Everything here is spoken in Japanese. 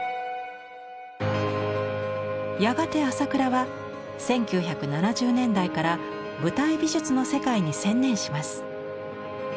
やがて朝倉は１９７０年代から舞台美術の世界に専念します。